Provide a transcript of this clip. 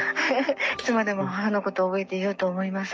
いつまでも母のことを覚えていようと思います。